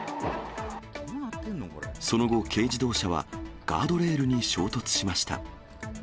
その後、軽自動車はガードレールに衝突しました。